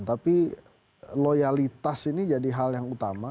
tapi loyalitas ini jadi hal yang utama